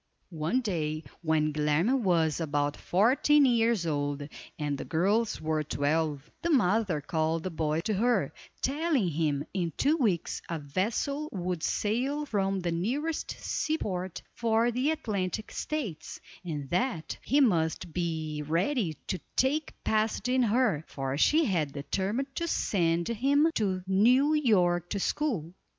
One day, when Guilerme was about fourteen years old, and the girls were twelve, the mother called the boy to her, telling him in two weeks a vessel would sail from the nearest sea port for the Atlantic States, and that, he must be ready to take passage in her, for she had determined to send him to New York to school.